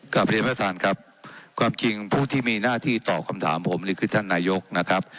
กลับเรียนประธานครับความจริงผู้ที่มีหน้าที่ตอบคำถามผมนี่คือท่านนายกนะครับ